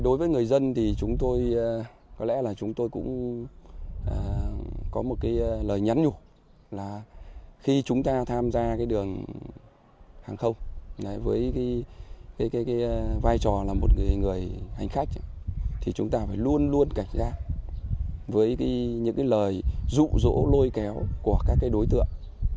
đối với người dân thì chúng tôi có lẽ là chúng tôi cũng có một cái lời nhắn nhủ là khi chúng ta tham gia cái đường hàng không với cái vai trò là một người hành khách thì chúng ta phải luôn luôn cảnh giác với những cái lời rụ rỗ lôi kéo của các cái đối tượng